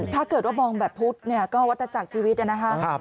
ถ้าเกิดว่ามองแบบพุทธก็วัตจากชีวิตนะครับ